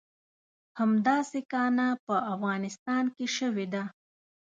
همداسې کانه په افغانستان کې شوې ده.